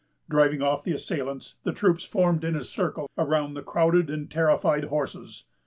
Driving off the assailants, the troops formed in a circle around the crowded and terrified horses.